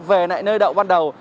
về nơi đậu ban đầu